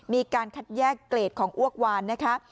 มีการคัดแยกเกรดของอ้วกวานนะคะ